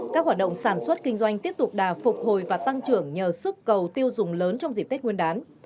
các hoạt động sản xuất kinh doanh tiếp tục đà phục hồi và tăng trưởng nhờ sức cầu tiêu dùng lớn trong dịp tết nguyên đán